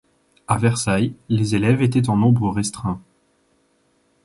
À Versailles, les élèves étaient en nombre restreint.